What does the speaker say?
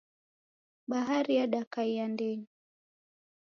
Bahari yadakaia ndenyi.